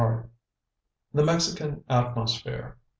THE MEXICAN ATMOSPHERE.